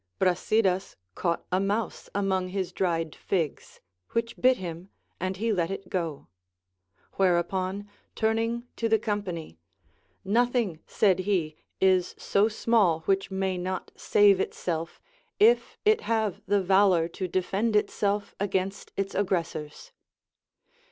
Brasidas caught a mouse among his dried figs, which bit him, and he let it go. AVhereupon, turning to the company. Nothing, said he, is so small which may not save itself, if it have the valor to defend itself against its aggressors.